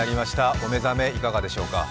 お目覚めいかがでしょうか。